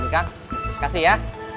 ini kak kasih ya